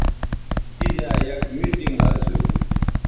تیزا یک میٹنگ اسو